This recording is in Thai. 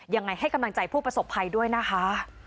ยังไงให้กำลังใจผู้ประสบภัยด้วยนะคะ